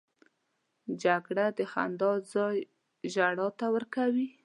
جګړه د خندا ځای ژړا ته ورکوي